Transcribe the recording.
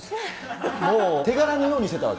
手柄のようにしてたわけ？